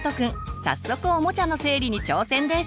早速おもちゃの整理に挑戦です！